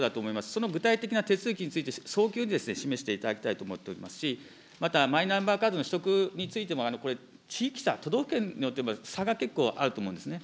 その具体的な手続きについて、早急に示していただきたいと思っておりますし、また、マイナンバーカードの取得についても、これ、地域差、都道府県によっても差が結構あると思うんですね。